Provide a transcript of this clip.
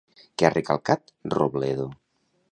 Què ha recalcat Robledo?